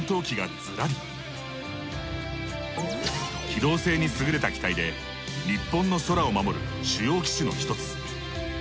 機動性に優れた機体で日本の空を守る主要機種の一つ。